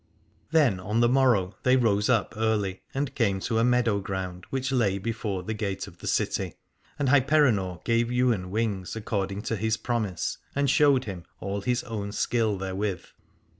Then on the morrow they rose up early, and came to a meadow ground which lay before the gate of the city: and Hyperenor gave Ywain wings according to his promise, and shewed him all his own skill therewith.